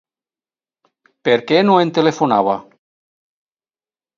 Per què no em telefonava?